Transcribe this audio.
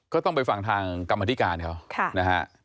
ก็ต้องไปฟังทางกรรมธิการเขานะฮะ